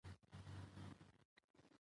ښتې د افغانستان د ځمکې د جوړښت نښه ده.